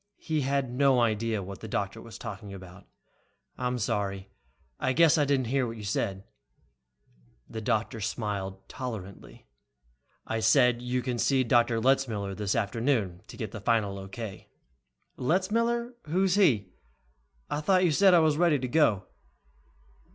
He had no idea what the doctor was talking about. "I'm sorry, I guess I didn't hear what you said " The doctor smiled tolerantly. "I said you can see Dr. Letzmiller this afternoon to get the final O.K." "Letzmiller? Who's he? I thought you said I was ready to go."